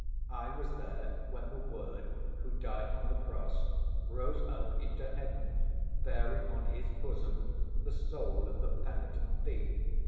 I was there when the Word, Who died on the Cross, rose up into heaven bearing on His bosom the soul of the penitent thief.